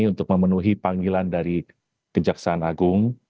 untuk memenuhi panggilan dari kejaksaan agung